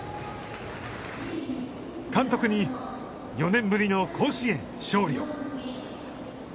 監督に４年ぶりの甲子園勝利を！